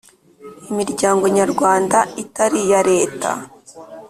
imiryango Nyarwanda itari iya Leta